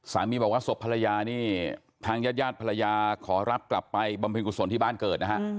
สามีบอกว่าศพภรรยานี่ทางญาติญาติภรรยาขอรับกลับไปบำเพ็ญกุศลที่บ้านเกิดนะฮะ